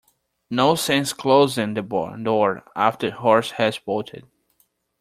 No sense closing the barn door after the horse has bolted.